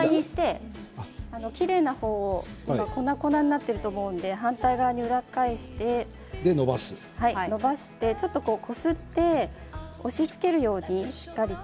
きれいな方を粉、粉になってると思うので反対側、裏返して伸ばしてちょっとこすって押しつけるようにしっかりと。